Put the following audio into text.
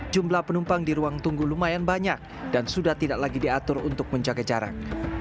jumlah penumpang di ruang tunggu lumayan banyak dan sudah tidak lagi diatur untuk menjaga jarak